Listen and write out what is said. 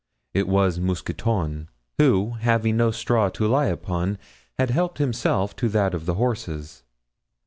It was Mousqueton, who, having no straw to lie upon, had helped himself to that of the horses.